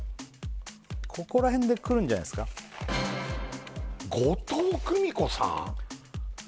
ここら辺でくるんじゃないっすか後藤久美子さん？